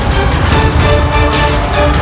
kau akan menang